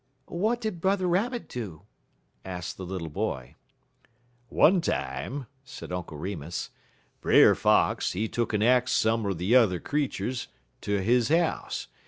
"What did Brother Rabbit do?" asked the little boy. "One time," said Uncle Remus, "Brer Fox, he tuck'n ax some er de yuther creeturs ter he house.